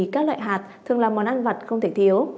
các loại hạt thường là món ăn vặt không thể thiếu